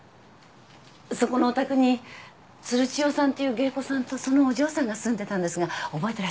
そこのお宅に鶴千代さんっていう芸妓さんとそのお嬢さんが住んでたんですが覚えてらっしゃいますか？